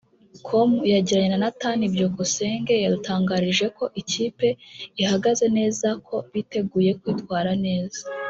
com yagiranye na Nathan Byukusenge yadutangarije ko ikipe ihagaze neza ko biteguye kwitwara neza